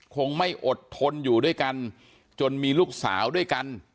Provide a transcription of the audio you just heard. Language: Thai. คงไม่อดทนอยู่ด้วยกันจนมีลูกสาวด้วยกัน